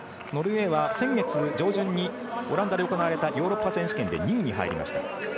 ノルウェーは先月上旬にオランダで行われたヨーロッパ選手権で２位に入りました。